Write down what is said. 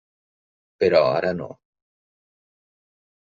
Però ara no.